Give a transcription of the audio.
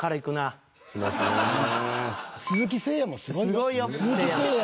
鈴木誠也もすごいぞ。